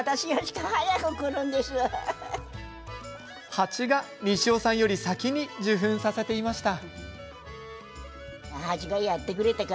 蜂が西尾さんより先に受粉させていました。